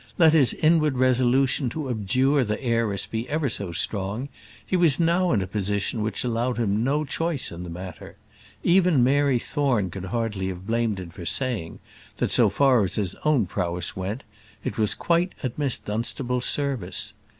Let his inward resolution to abjure the heiress be ever so strong, he was now in a position which allowed him no choice in the matter. Even Mary Thorne could hardly have blamed him for saying, that so far as his own prowess went, it was quite at Miss Dunstable's service.